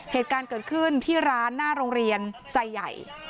เหตุการณ์เกิดขึ้นที่ร้านหน้าโรงเรียนไซใหญ่